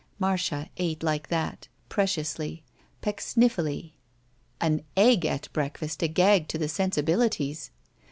Marda ate like that. Preciously. PecksniflBly. An egg at breakfast a gag to the sensibilities!